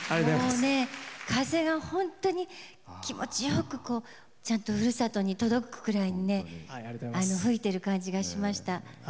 風が本当に気持ちよくちゃんとふるさとに届くくらいに吹いてる感じがしました。